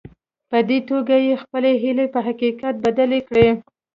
په دې توګه يې خپلې هيلې په حقيقت بدلې کړې.